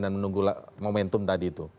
dan menunggu momentum tadi itu